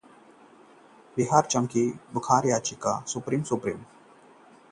बिहार में चमकी बुखार का कहर जारी, सुप्रीम कोर्ट में याचिका दाखिल